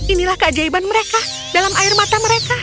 inilah keajaiban mereka dalam air mata mereka